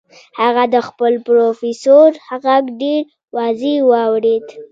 هغه د خپل پروفيسور غږ ډېر واضح واورېد.